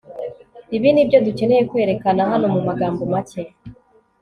ibi nibyo dukeneye kwerekana hano mumagambo make